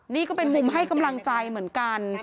นี่ก็เป็นมุมให้กำลังใจเหมือนกัน